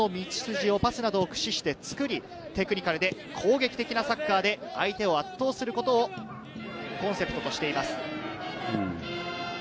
ゴールまでの最短の道筋をパスなどを駆使して、テクニカルで攻撃的なサッカーで相手を圧倒することをコンセプトとしています。